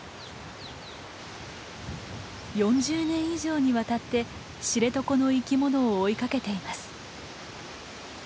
４０年以上にわたって知床の生きものを追いかけています。